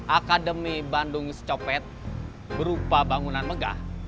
akademi bandung secopet berupa bangunan megah